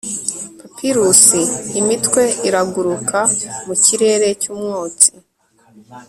papyrus-imitwe iraguruka mu kirere cyumwotsi